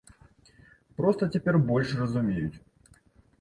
Проста цяпер больш разумеюць.